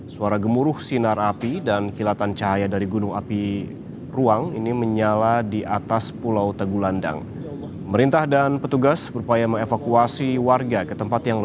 suara gemuruh sinar api dan kilatan cahaya dari gunung api ruang